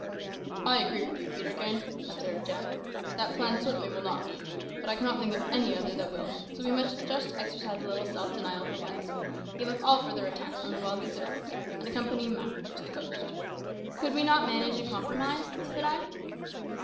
"I agree with you, Peterkin," observed Jack. "That plan certainly will not do; but I cannot think of any other that will, so we must just exercise a little self denial for once, give up all further attacks on the wild beasts of Africa, and accompany Mak to the coast." "Could we not manage a compromise?" said I.